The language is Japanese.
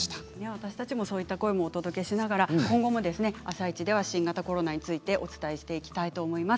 私たちもそういう声をお届けしながら「あさイチ」では新型コロナについて今後もお伝えしていきます。